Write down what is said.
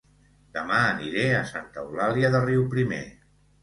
Dema aniré a Santa Eulàlia de Riuprimer